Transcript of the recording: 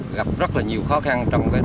gặp rất là nhiều khó khăn